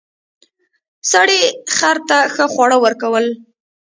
سړي خر ته ښه خواړه ورکول.